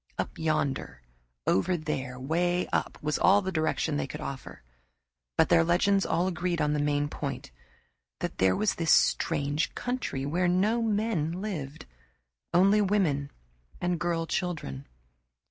"Up yonder," "Over there," "Way up" was all the direction they could offer, but their legends all agreed on the main point that there was this strange country where no men lived only women and girl children.